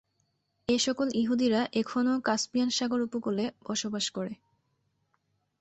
এসকল ইহুদিরা এখনও কাস্পিয়ান সাগর উপকূলে বসবাস করে।